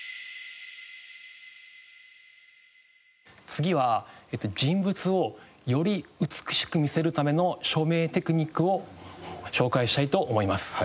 次は人物をより美しく見せるための照明テクニックを紹介したいと思います。